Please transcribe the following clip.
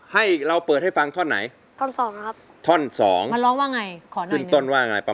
ให้เราเปิดเพลงที่จะร้องเมื่อกี้เนี่ยให้ฟังได้๑ท่อน